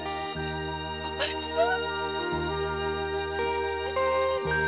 お前さん。